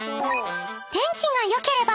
［天気が良ければ］